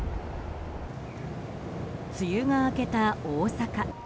梅雨が明けた大阪。